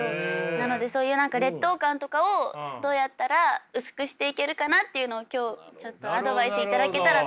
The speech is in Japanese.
なのでそういう何か劣等感とかをどうやったら薄くしていけるかなっていうのを今日ちょっとアドバイスいただけたらと。